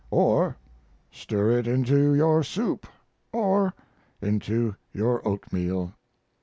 Or, stir it into your soup. Or, into your oatmeal.